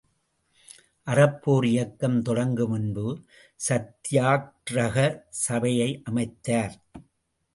அறப்போர் இயக்கம் தொடங்கு முன்பு, சத்யாக்ரக சபையை அமைத்தார்.